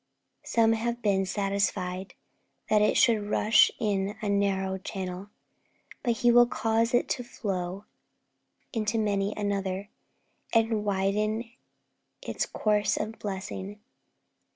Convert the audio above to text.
Some have been satisfied that it should rush in a narrow channel, but He will cause it to overflow into many another, and widen its course of blessing.